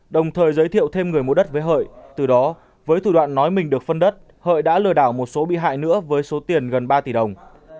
đồng thời giới thiệu thêm người mua đất với hợi từ đó với thủ đoạn nói mình được phân đất hợi đã lừa đảo một số bị hại nữa với số tiền gần ba tỷ đồng